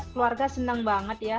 keluarga senang banget ya